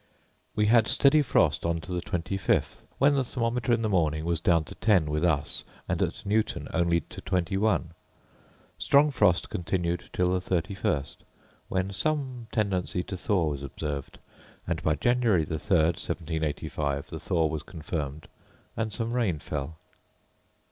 We had steady frost on to the 25th, when the thermometer in the morning was down to 10 with us, and at Newton only to 21. Strong frost continued till the 31st, when some tendency to thaw was observed, and, by January the 3rd, 1785, the thaw was confirmed, and some rain fell.